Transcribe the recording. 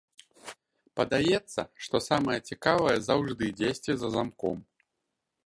Падаецца, што самае цікавае заўжды дзесьці за замком.